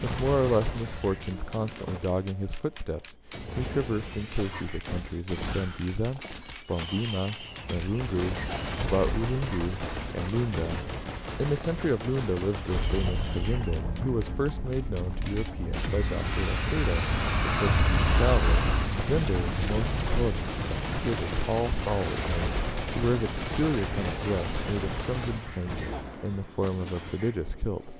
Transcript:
With more or less misfortunes constantly dogging his footsteps, he traversed in safety the countries of the Babisa, Bobemba, Barungu, Ba ulungu, and Lunda. In the country of Lunda lives the famous Cazembe, who was first made known to Europeans by Dr. Lacerda, the Portuguese traveller. Cazembe is a most intelligent prince; he is a tall, stalwart man, who wears a peculiar kind of dress, made of crimson print, in the form of a prodigious kilt.